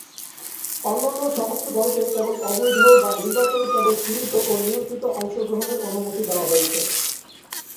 অন্যান্য সমস্ত দলকে কেবল অবৈধ বা নির্বাচনে কেবল সীমিত ও নিয়ন্ত্রিত অংশগ্রহণের অনুমতি দেওয়া হয়েছে।